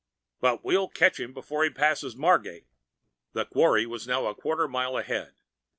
"But we'll catch him before he passes Margate." The quarry was now but a quarter mile ahead.